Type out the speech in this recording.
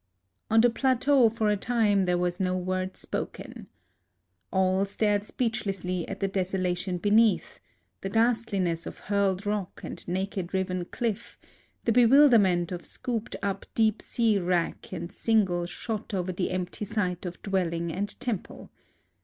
On the plateau for a time there was no word spoken. All stared speechlessly at the desolation beneath, — the ghastliness of hurled rock and naked riven cliff, the bewilderment of scooped up deep sea wrack and shingle shot over the empty site of dwelling and temple.